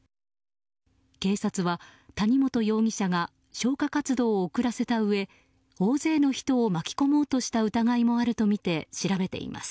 警察は谷本容疑者が消火活動を遅らせたうえ大勢の人を巻き込もうとした疑いもあるとみて調べています。